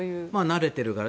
慣れているから。